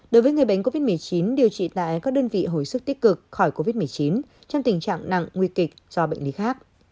đối với người bệnh covid một mươi chín điều trị tại các đơn vị hồi sức tích cực khỏi covid một mươi chín trong tình trạng nặng nguy kịch do bệnh lý khác